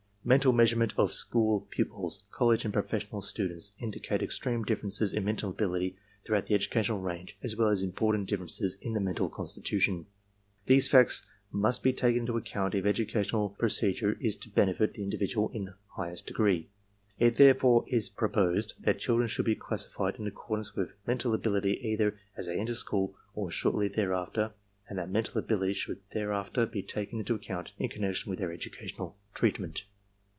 Mental measurement of school pupils, college and professional students indicate extreme differences in mental ability throughout the educational range as well as important diflferences in the mental constitution. These facts must be taken into account if educational procedure is to benefit the individual in highest degree. It therefore is pro posed that children should be classified in accordance with mental ability either as they enter school or shortly thereafter and that mental ability should thereafter be taken into account in connection with their educational treatment.